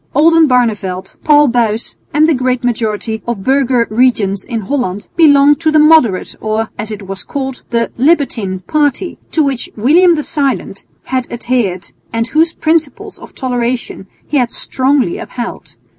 Oldenbarneveldt, Paul Buys and the great majority of burgher regents in Holland belonged to the moderate or, as it was called, the "libertine" party, to which William the Silent had adhered and whose principles of toleration he had strongly upheld.